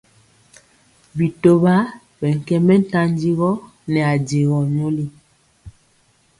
Bitomba ɓɛ kɛ mɛntanjigɔ nɛ ajegɔ nyoli.